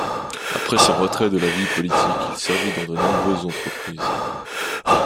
Après son retrait de la vie politique, il servit dans de nombreuses entreprises.